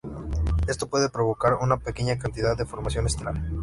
Eso puede provocar una pequeña cantidad de formación estelar.